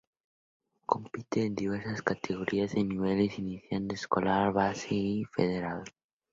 Compite en diversas categorías en los niveles iniciación, escolar, base y federado.